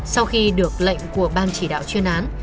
sau khi được lệnh của ban chỉ đạo chuyên án